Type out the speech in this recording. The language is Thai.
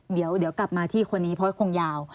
เดี๋ยวกลับมาที่คนนี้เพราะคงยาว